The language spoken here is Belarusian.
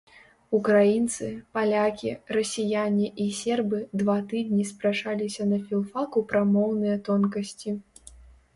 Украінцы, палякі, расіяне і сербы два тыдні спрачаліся на філфаку пра моўныя тонкасці.